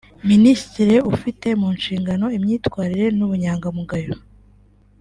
Minisitiri ufite mu nshingano imyitwarire n’ubunyangamugayo